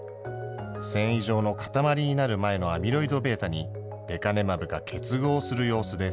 繊維状の固まりになる前のアミロイドβに、レカネマブが結合する様子です。